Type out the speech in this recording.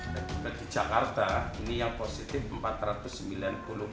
di jakarta ini yang positif